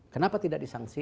kenapa tidak disangsi